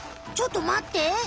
ちょっとまって。